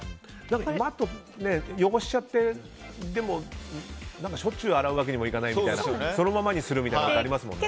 マットって汚しちゃってでも、しょっちゅう洗うわけにもいかないってそのままにするみたいなのありますよね。